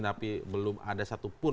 tapi belum ada satupun